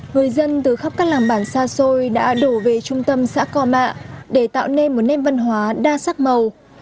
người dân từ khắp các làng bản xa xôi đã đổ về trung tâm xã co mạ để tạo nên một nét văn hóa đa sắc màu